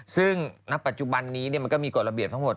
ซึ่งณปัจจุบันนี้มันก็มีกฎระเบียบทั้งหมด